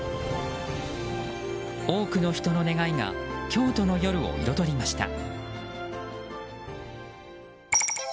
多くの人の願いが京都の夜を彩りました。